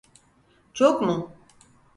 Çok mu?